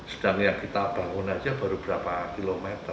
sedangnya kita bangun aja baru berapa km